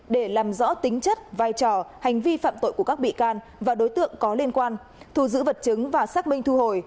để làm rõ tính chất vai trò hành vi phạm tội của các bị can và đối tượng có liên quan thu giữ vật chứng và xác minh thu hồi